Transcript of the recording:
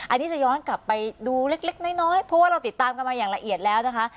อันนี้จะย้อนกลับไปดูเล็กน้อยเพราะว่าเราติดตามกันมาอย่างละเอียดแล้วนะคะ